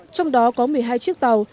trong đó có một mươi hai chiếc tàu